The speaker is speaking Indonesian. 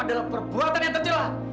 adalah perbuatan yang terjelah